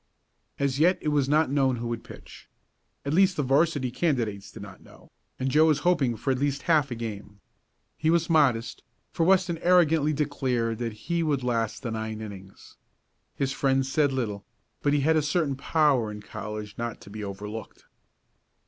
As yet it was not known who would pitch. At least the 'varsity candidates did not know, and Joe was hoping for at least half a game. He was modest, for Weston arrogantly declared that he would last the nine innings. His friends said little, but he had a certain power in college not to be overlooked.